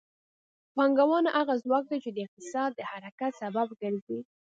پانګونه هغه ځواک دی چې د اقتصاد د حرکت سبب ګرځي.